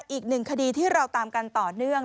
อีกหนึ่งคดีที่เราตามกันต่อเนื่อง